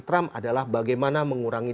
trump adalah bagaimana mengurangi